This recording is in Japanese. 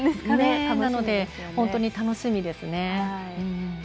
なので、本当に楽しみですね。